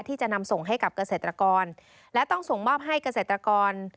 ที่จะนำส่งให้กับเกษตรกรและต้องส่งมอบให้เกษตรกร